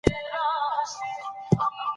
چې د زوى وينه مې په ځمکه ونه لوېږي.